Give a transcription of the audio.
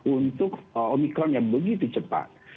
untuk omikron yang begitu cepat